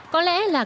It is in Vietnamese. có lẽ là cảm xúc